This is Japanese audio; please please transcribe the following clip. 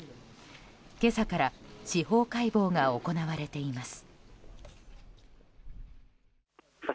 今朝から司法解剖が行われています。